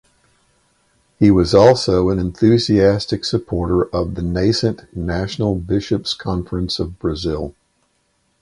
He was also an enthusiastic supporter of the nascent National Bishops Conference of Brazil.